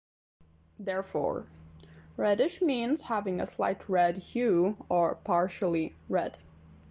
Therefore, "reddish" means having a slight red hue or partially red.